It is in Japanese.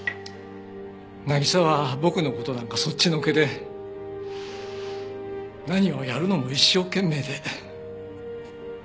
渚は僕の事なんかそっちのけで何をやるのも一生懸命で。